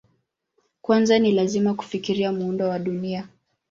Kwanza ni lazima kufikiria muundo wa Dunia.